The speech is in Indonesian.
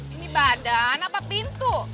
ini badan apa pintu